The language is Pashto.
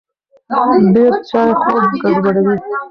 ډېر چای خوب ګډوډوي.